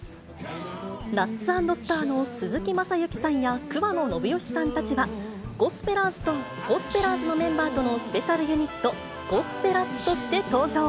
ＲＡＴＳ＆ＳＴＡＲの鈴木雅之さんや桑野信義さんたちは、ゴスペラーズのメンバーとのスペシャルユニット、ゴスペラッツとして登場。